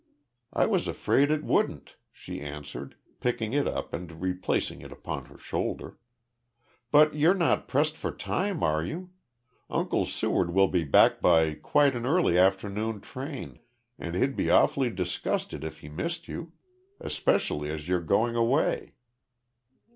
I was afraid it wouldn't," she answered, picking it up and replacing it upon her shoulder. "But you're not pressed for time, are you? Uncle Seward will be back by quite an early afternoon train, and he'd he awfully disgusted if he missed you especially as you're going away."